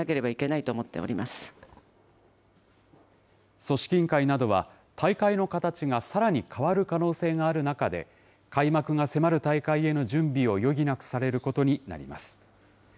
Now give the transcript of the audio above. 組織委員会などは、大会の形がさらに変わる可能性がある中で、開幕が迫る大会への準備を余儀なくされることになります。